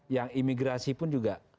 yang imigrasi pun juga